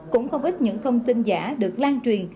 cũng không ít những thông tin giả được lan truyền